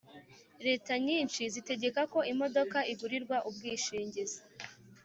Leta nyinshi zitegeka ko imodoka igurirwa ubwishingizi